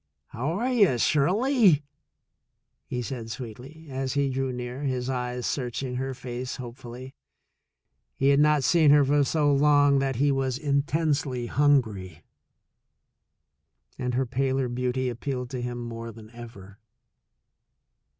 ''How are you, Shirley?'* he asked sweetly, as he drew near, his eyes searching her face hopefully. He had not seen her for so long that he was intensely hungry, and her paler beauty appealed to him more than ever.